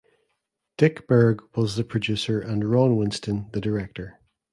Dick Berg was the producer and Ron Winston the director.